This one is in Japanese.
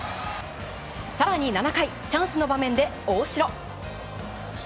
更に、７回チャンスの場面で大城。